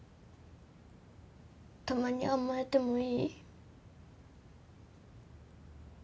たまに甘えてもいい？